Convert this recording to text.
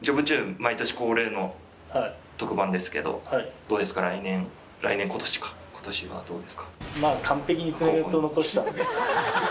毎年恒例のはい特番ですけどどうですか来年今年か今年はどうですか？